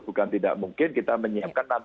bukan tidak mungkin kita menyiapkan